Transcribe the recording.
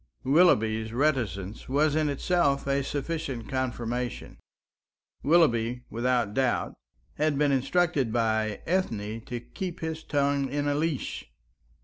Willoughby's reticence was in itself a sufficient confirmation. Willoughby, without doubt, had been instructed by Ethne to keep his tongue in a leash.